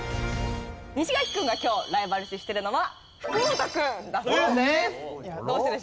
西垣君が今日ライバル視してるのは福本君だそうです。